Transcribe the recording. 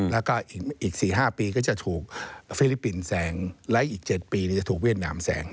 แล้วก็อีก๔๕ปีก็จะถูกฟิลิปปินส์แสงและอีก๗ปีจะถูกเวียดนามแสง